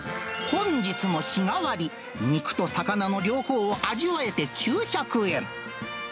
本日の日替わり、肉と魚の両方を味わえて９００円。